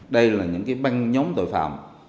đây là những cái băng nhóm tội phạm